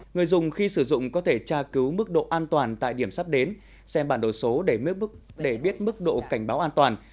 người dùng khi sử dụng có thể tra cứu mức độ an toàn tại điểm sắp đến xem bản đồ số để biết mức độ cảnh báo an toàn